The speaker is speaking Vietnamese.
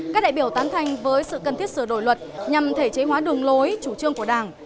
các đại biểu tán thành với sự cần thiết sửa đổi luật nhằm thể chế hóa đường lối chủ trương của đảng